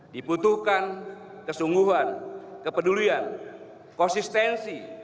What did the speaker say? diputuhkan kesungguhan kepedulian konsistensi